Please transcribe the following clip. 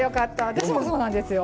私もそうなんですよ。